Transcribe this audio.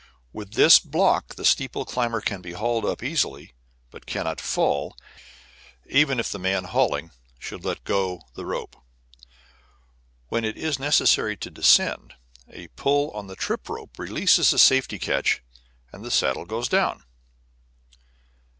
With this block the steeple climber can be hauled up easily, but cannot fall, even if the man hauling should let go the rope. When it is necessary to descend, a pull on the trip rope releases a safety catch and the saddle goes down.